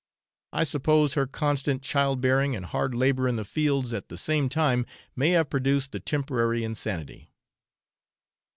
I suppose her constant child bearing and hard labour in the fields at the same time may have produced the temporary insanity.